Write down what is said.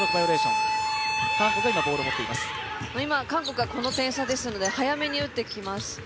韓国は、この点差ですので早めに打ってきます。